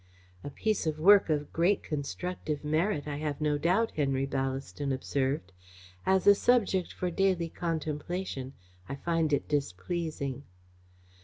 "A piece of work of great constructive merit, I have no doubt," Henry Ballaston observed. "As a subject for daily contemplation, I find it displeasing."